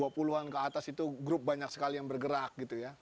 dua puluh an ke atas itu grup banyak sekali yang bergerak gitu ya